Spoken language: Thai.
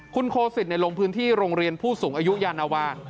คุณโคสิตลงพื้นที่โรงเรียนผู้สูงอายุยานวา